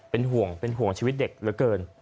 เป็นห่วงเป็นห่วงชีวิตเด็กเหลือเกิน